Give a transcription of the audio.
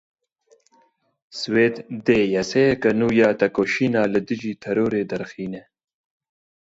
Swêd dê yasayeke nû ya têkoşîna li dijî terorê derxîne.